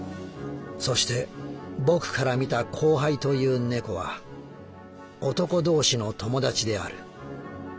「そして僕から見たコウハイという猫は男同士のともだちである。